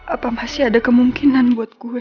apa masih ada kemungkinan buat gue